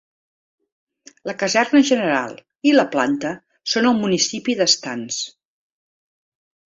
La caserna general i la planta són al municipi de Stans.